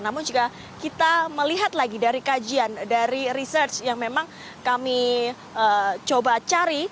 namun jika kita melihat lagi dari kajian dari research yang memang kami coba cari